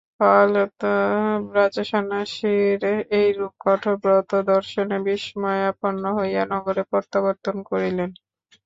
ফলতঃ রাজা সন্ন্যাসীর এইরূপ কঠোর ব্রত দর্শনে বিস্ময়াপন্ন হইয়া নগরে প্রত্যাবর্তন করিলেন।